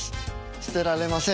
捨てられません。